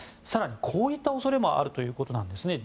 更に、こういった恐れもあるということです。